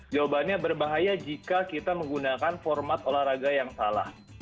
jawabannya berbahaya jika kita menggunakan format olahraga yang salah